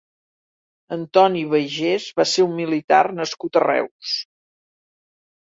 Antoni Baiges va ser un militar nascut a Reus.